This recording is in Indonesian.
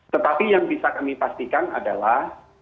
tetapi yang bisa kami pastikan adalah